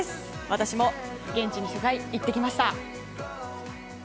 私も現地に取材行ってきました。